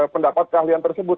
pendapat kalian tersebut